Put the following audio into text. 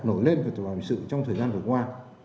nổi lên về tòa án hình sự trong thời gian vừa qua